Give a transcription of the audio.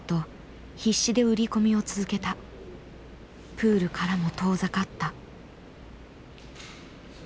プールからも遠ざかった。